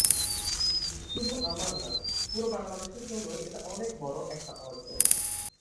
শুধু আমার না, পুরো বাংলাদেশের জন্যই এটা অনেক বড় একটা অর্জন।